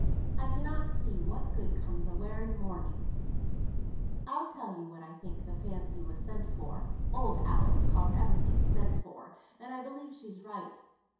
I cannot see what good comes out o' wearing mourning." [Footnote 8: "Shut," quit.] "I'll tell you what I think th' fancy was sent for (Old Alice calls every thing 'sent for,' and I believe she's right).